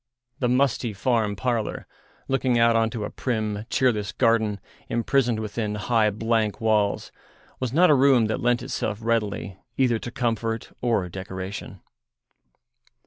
The musty farm parlour, looking out on to a prim, cheerless garden imprisoned within high, blank walls, was not a room that lent itself readily either to comfort or decoration.